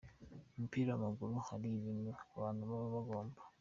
Mu mupira w’amaguru hari ibintu abantu baba bagomba